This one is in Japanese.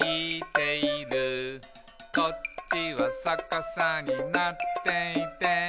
「こっちはさかさになっていて」